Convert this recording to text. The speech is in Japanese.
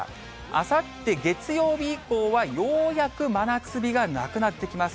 あさって月曜日以降はようやく真夏日がなくなってきます。